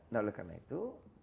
nah oleh karena itu